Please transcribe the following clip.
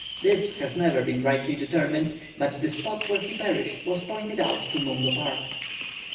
This has never been rightly determined, but the spot where he perished was pointed out to Mungo Park."